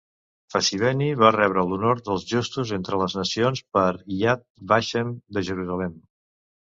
Facibeni va rebre l'honor dels justos entre les nacions per Yad Vashem de Jerusalem.